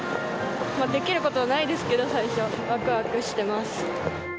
できることはないですけど、最初、わくわくしてます。